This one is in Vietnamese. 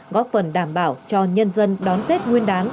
góp phần đảm bảo cho nhân dân đón tết nguyên đán